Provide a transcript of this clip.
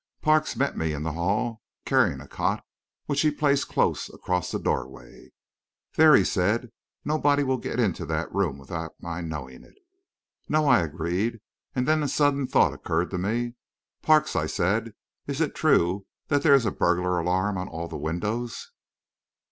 Parks met me in the hall, carrying a cot, which he placed close across the doorway. "There," he said; "nobody will get into that room without my knowing it." "No," I agreed; and then a sudden thought occurred to me. "Parks," I said, "is it true that there is a burglar alarm on all the windows?"